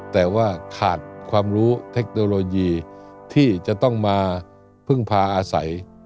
แต่ว่าขาดความรู้เทคโนโลยีที่จะต้องมาพึ่งพาอาศัย